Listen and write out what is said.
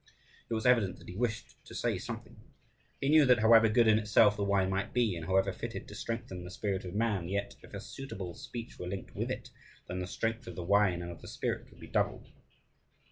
It was evident that he wished to say something. He knew that however good in itself the wine might be and however fitted to strengthen the spirit of man, yet, if a suitable speech were linked with it, then the strength of the wine and of the spirit would be doubled.